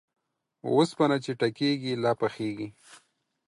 اوسپنه چې ټکېږي ، لا پخېږي.